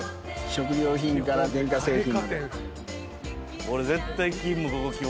食料品から電化製品。